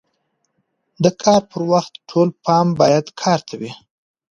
د کار پر وخت ټول پام باید کار ته وي.